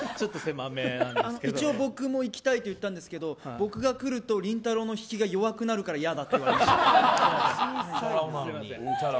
一応、僕も行きたいと言ったんですけど僕が来ると、りんたろー。の引きが弱くなるから嫌だって。